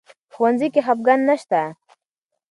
په ښوونځي کې خفګان نه شته.